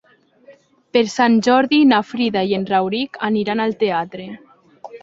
Per Sant Jordi na Frida i en Rauric aniran al teatre.